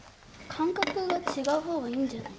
間隔が違うほうがいいんじゃない？